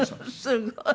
すごい。